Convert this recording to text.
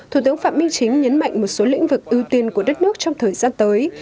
thủ tướng phạm minh chính nhấn mạnh một số lĩnh vực ưu tiên của đất nước trong thời gian tới